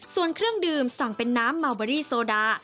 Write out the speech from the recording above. ส่วนเครื่องดื่มสั่งเป็นน้ำเมาเบอรี่โซดา